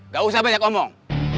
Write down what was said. gak usah banyak omong